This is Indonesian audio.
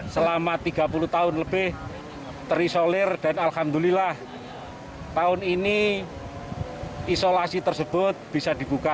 selama tiga puluh tahun lebih terisolir dan alhamdulillah tahun ini isolasi tersebut bisa dibuka